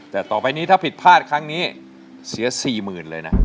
แต่ต่อไปนี้ถ้าผิดพลาดครั้งนี้เสีย๔๐๐๐เลยนะ